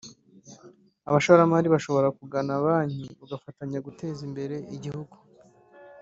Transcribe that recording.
abashoramari bashobora kugana banki bagafatanya guteza imbere igihugu